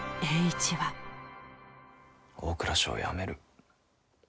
大蔵省を辞める。